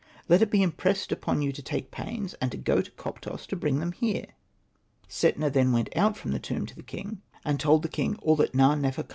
Let it be impressed upon you to take pains, and to go to Koptos to bring them here." Setna then went out from the tomb to the king, and told the king all that Na.nefer.